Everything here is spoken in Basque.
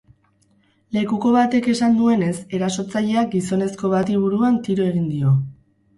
Lekuko batek esan duenez, erasotzaileak gizonezko bati buruan tiro egin dio.